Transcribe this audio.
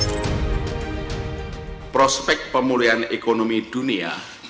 di taman pemulihan ekonomi dunia